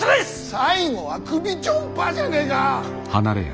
最後は首ちょんぱじゃねえか！